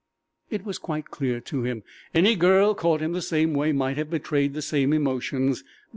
It was quite clear to him. Any girl caught in the same way might have betrayed the same emotions.